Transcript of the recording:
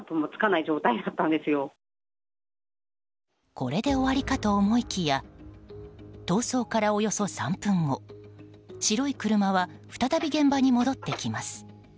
これで終わりかと思いきや逃走からおよそ３分後白い車は再び現場に戻ってきます。